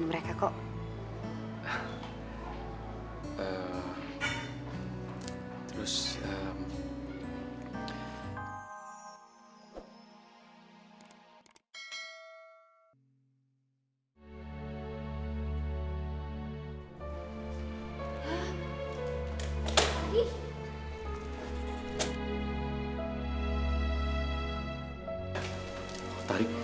syukur dah kalau gitu